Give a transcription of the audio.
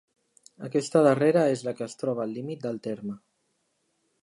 Aquesta darrera és la que es troba al límit del terme.